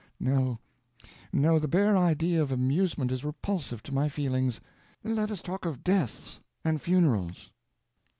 No—no, the bare idea of amusement is repulsive to my feelings: Let us talk of death and funerals."